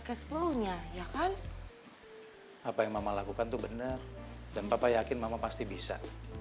jaga cashclownya ya kan ke tiga apa yang mama lakukan tuh bener dan bapak yakin mama pasti bisa